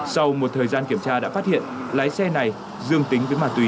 sau một thời gian kiểm tra đã phát hiện lái xe này dương tính với ma túy